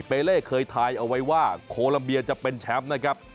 เปเล่เคยทายเอาไว้ว่าโคลัมเบียจะเป็นแชมป์นะครับ